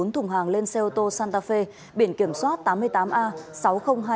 bốn thùng hàng lên xe ô tô santa fe biển kiểm soát tám mươi tám a sáu mươi nghìn hai trăm chín mươi chín